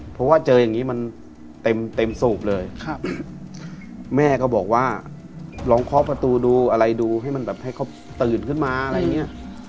เพราะว่าเจออย่างนี้มันเต็มเต็มสูบเลยแม่ก็บอกว่าลองเคาะประตูดูอะไรดูให้มันแบบให้เขาตื่นขึ้นมาอะไรอย่างนี้